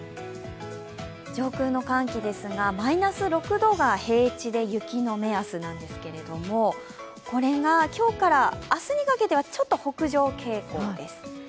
上空の寒気ですがマイナス６度が平地で雪の目安なんですけれどもこれが今日から明日にかけてはちょっと北上傾向です。